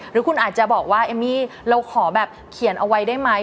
หรือคุณอาจจะบอกว่าเอมมี่เราขอแบบเขียนเอาไว้ได้ไหม